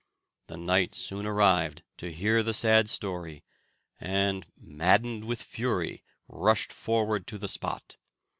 The knight soon arrived to hear the sad story, and, maddened with fury, rushed forward to the spot.